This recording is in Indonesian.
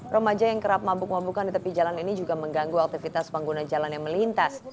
remaja yang kerap mabuk mabukan di tepi jalan ini juga mengganggu aktivitas pengguna jalan yang melintas